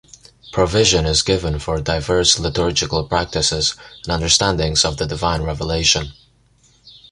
Provision is given for diverse liturgical practices and understandings of the divine revelation.